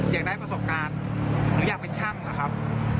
อยากได้ประสบการณ์อยากได้ประสบการณ์อยากเป็นช่างเหรอครับ